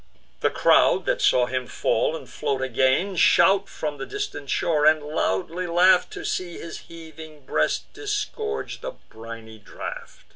The crowd, that saw him fall and float again, Shout from the distant shore; and loudly laugh'd, To see his heaving breast disgorge the briny draught.